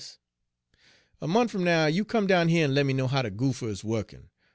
A mont' fum now you come down heah en lemme know how de goopher is wukkin'.